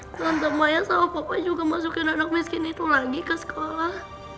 tante maya sama papa juga masukin anak miskin itu lagi ke sekolah